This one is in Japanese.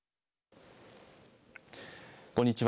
こんにちは。